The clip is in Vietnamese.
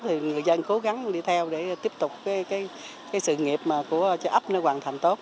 thì người dân cố gắng đi theo để tiếp tục cái sự nghiệp mà của ấp nó hoàn thành tốt